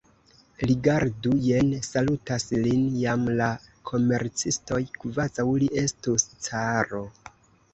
Rigardu, jen salutas lin jam la komercistoj, kvazaŭ li estus caro.